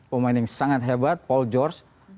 pemain yang sangat hebat paul george